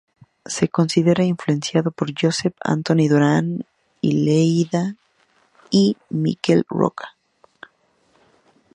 Se considera influenciado por Josep Antoni Durán i Lleida y Miquel Roca.